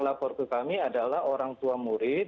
lapor ke kami adalah orang tua murid